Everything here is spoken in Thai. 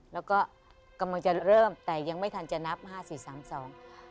แล้วก็กำลังจะเริ่มแต่ยังไม่ทันจะนับห้าสี่สามสอง